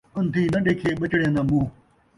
اندھی ناں ݙیکھے بچڑیاں دا مونہہ